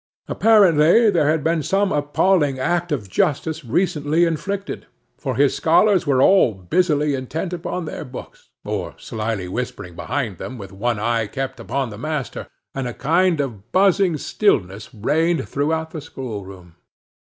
Apparently there had been some appalling act of justice recently inflicted, for his scholars were all busily intent upon their books, or slyly whispering behind them with one eye kept upon the master; and a kind of buzzing stillness reigned throughout the schoolroom.